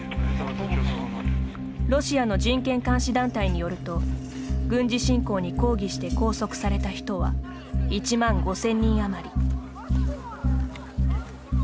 ロシアの人権監視団体によると軍事侵攻に抗議して拘束された人は１万５０００人余り。